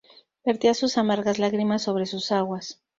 Vertía sus amargas lágrimas sobre sus aguas.